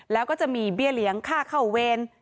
แล้วก็จะมีเบี้ยเลี้ยงค่าเข้าเวร